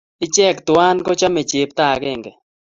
Ichek twan kochame chepto akenge